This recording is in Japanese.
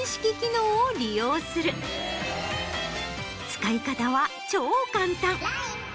使い方は超簡単。